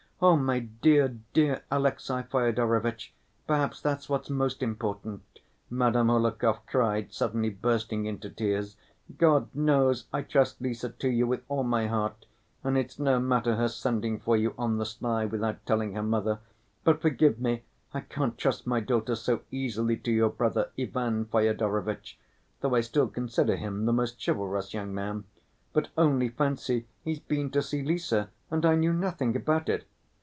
"Oh, my dear, dear Alexey Fyodorovitch, perhaps that's what's most important," Madame Hohlakov cried, suddenly bursting into tears. "God knows I trust Lise to you with all my heart, and it's no matter her sending for you on the sly, without telling her mother. But forgive me, I can't trust my daughter so easily to your brother Ivan Fyodorovitch, though I still consider him the most chivalrous young man. But only fancy, he's been to see Lise and I knew nothing about it!"